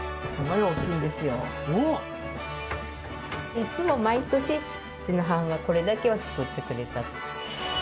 いつも毎年、うちの母がこれだけは作ってくれたので。